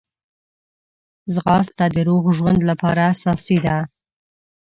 ځغاسته د روغ ژوند لپاره اساسي ده